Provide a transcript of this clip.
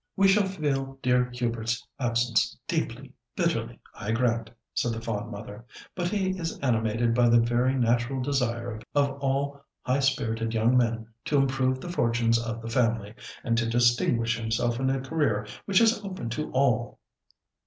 "We shall feel dear Hubert's absence deeply, bitterly, I grant," said the fond mother; "but he is animated by the very natural desire of all high spirited young men to improve the fortunes of the family, and to distinguish himself in a career which is open to all."